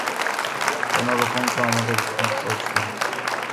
কোনোরকম তো আমদের জীবন চলছে।